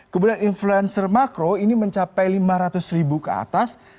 kemudian influencer makro ini mencapai lima ratus ribu ke atas